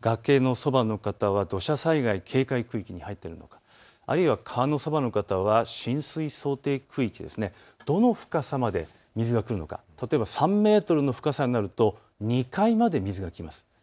崖のそばの方は土砂災害警戒区域に入っているかあるいは川のそばの方は浸水想定区域、どの深さまで水が来るとか例えば３メートルの深さになると２階まで水が来ます。